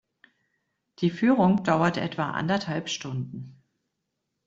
Die Führung dauert etwa anderthalb Stunden.